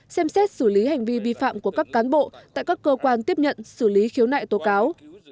xem xét xử lý hành vi vi phạm của các cán bộ tại các cơ quan tiếp nhận xử lý khiếu nại tố cáo